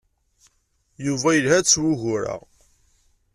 Yuba yelha-d s wugur-a.